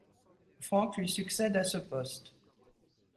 Frank lui succède à ce poste.